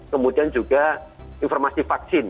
kemudian juga informasi vaksin